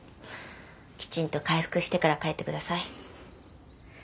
きちんと回復してから帰ってください。